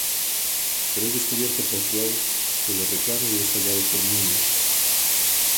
Pero es descubierto por Chloe que le reclama y es hallado por Mooney.